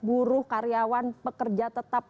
buruh karyawan pekerja tetap